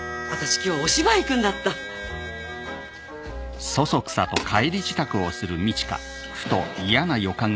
今日お芝居行くんだったなに？